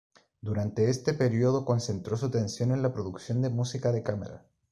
Durante este período concentró su atención en la producción de música de cámara.